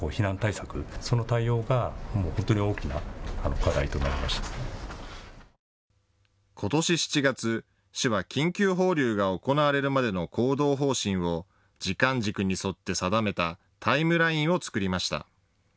ことし７月、市は緊急放流が行われるまでの行動方針を時間軸に沿って定めたタイムラインを作りました。